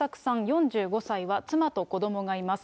４５歳は、妻と子どもがいます。